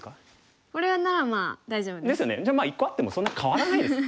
じゃあまあ１個あってもそんなに変わらないです。